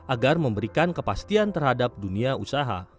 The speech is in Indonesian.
agar memberikan kepastian terhadap dunia usaha